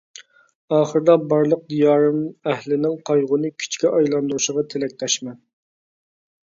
ئاخىردا بارلىق دىيارىم ئەھلىنىڭ قايغۇنى كۈچكە ئايلاندۇرۇشىغا تىلەكداشمەن!